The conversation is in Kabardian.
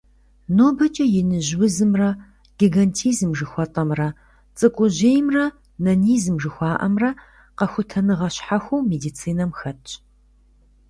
НобэкӀэ «иныжь узымрэ» - гигантизм жыхуэтӀэмрэ, «цӀыкӀужьеймрэ» - нанизм жыхуаӀэмрэ къэхутэныгъэ щхьэхуэу медицинэм хэтщ.